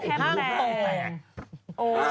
ฮ่างแทบแปลกจริงแต่เมื่อกี้เห็นแบบ